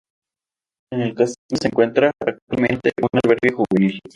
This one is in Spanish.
En el castillo se encuentra actualmente un albergue juvenil.